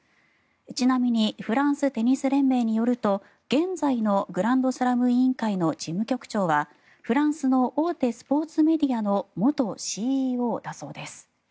ちなみにフランステニス連盟によると現在のグランドスラム委員会の事務局長はフランスの大手スポーツメディアの元ＣＥＯだそうです。